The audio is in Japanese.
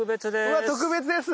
うわっ特別です。